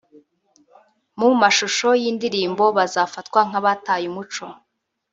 mu mashusho y’indirimbo bazafatwa nk’abataye umuco